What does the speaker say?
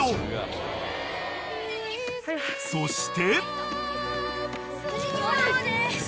［そして］